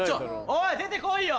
おい出てこいよ！